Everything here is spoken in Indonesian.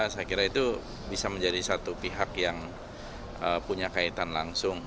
saya kira itu bisa menjadi satu pihak yang punya kaitan langsung